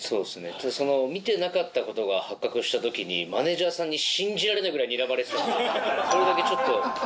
その見てなかったことが発覚した時にマネジャーさんに信じられないぐらいにらまれてたんでそれだけちょっと。